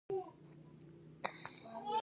شورا د خلکو اعتماد جلب کړي.